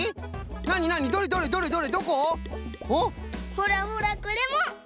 ほらほらこれも！